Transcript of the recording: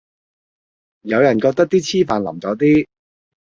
有人就覺得啲黐飯淋咗啲